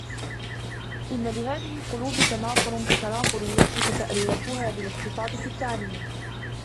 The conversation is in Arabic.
إنَّ لِهَذِهِ الْقُلُوبِ تَنَافُرَ كَتَنَافُرِ الْوَحْشِ فَتَأَلَّفُوهَا بِالِاقْتِصَادِ فِي التَّعْلِيمِ